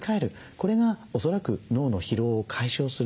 これが恐らく脳の疲労を解消する。